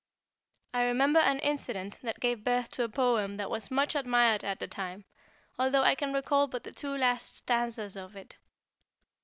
"I remember an incident that gave birth to a poem that was much admired at the time, although I can recall but the two last stanzas of it.